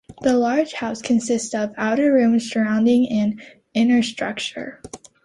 The large house consists of outer rooms surrounding an inner structure.